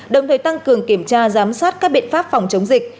đồng thời tăng cường kiểm tra giám sát các biện pháp phòng chống dịch